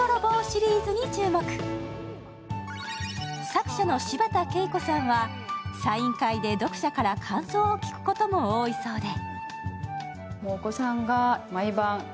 作者の柴田ケイコさんは、サイン会で読者から感想を聞くことも多いそうで。